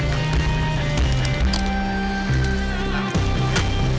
cewek secantik lo kan